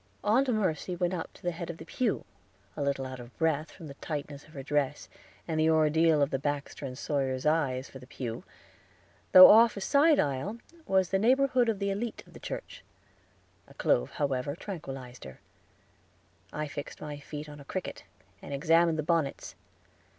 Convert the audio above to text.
Aunt Mercy went up to the head of the pew, a little out of breath, from the tightness of her dress, and the ordeal of the Baxter and Sawyer eyes, for the pew, though off a side aisle, was in the neighborhood of the elite of the church; a clove, however, tranquilized her. I fixed my feet on a cricket, and examined the bonnets.